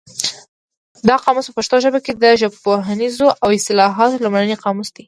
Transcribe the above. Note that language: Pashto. دا قاموس په پښتو ژبه کې د ژبپوهنیزو اصطلاحاتو لومړنی قاموس دی.